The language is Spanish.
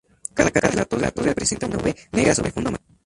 Cada cara de la torre presenta una "V" negra sobre fondo amarillo.